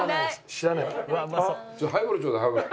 知らない。